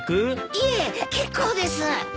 いえ結構です。